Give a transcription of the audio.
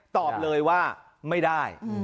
ตอบเลยว่าไม่ได้